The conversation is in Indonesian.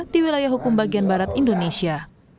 di wilayah hukum bagian barat indonesia